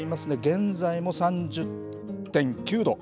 現在も３０．９度。